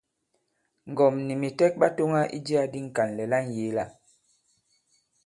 Ŋgɔ̀m nì mìtɛk ɓa tōŋa i jiā di Ŋkànlɛ̀ la ŋyēe-la.